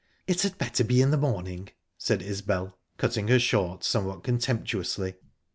"It had better be in the morning," said Isbel, cutting her short somewhat contemptuously.